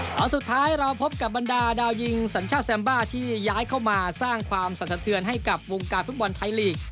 ตอนสุดท้ายเราพบกับบรรดาดาวยิงสัญชาติแซมบ้าที่ย้ายเข้ามาสร้างความสันสะเทือนให้กับวงการฟุตบอลไทยลีก